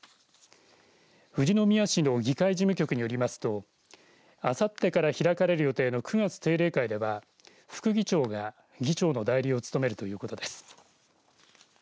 富士宮市の議会事務局によりますとあさってから開かれる予定の９月定例会では副議長が議長の代理を務めるということです。